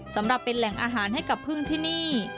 สำหรับเป็นแหล่งอาหารให้กับพึ่งที่นี่